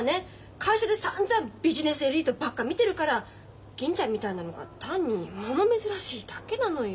会社でさんざんビジネスエリートばっか見てるから銀ちゃんみたいなのが単に物珍しいだけなのよ。